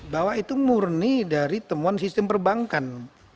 bahwa itu murni dari temuan sistem perbankan